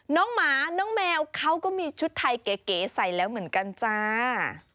หมาน้องแมวเขาก็มีชุดไทยเก๋ใส่แล้วเหมือนกันจ้า